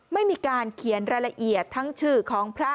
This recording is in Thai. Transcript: ไม่มีการเขียนรายละเอียดทั้งชื่อของพระ